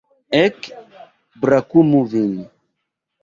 Ek, brakumu vin!